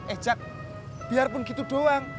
eh jak biarpun gitu doang